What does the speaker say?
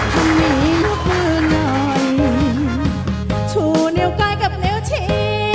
ขอมีลูกมือหน่อยชูนิ้วกล้ายกับนิ้วที